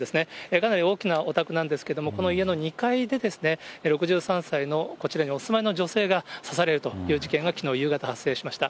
かなり大きなお宅なんですけれども、この家の２階で、６３歳のこちらにお住いの女性が、刺されるという事件が、きのう夕方、発生しました。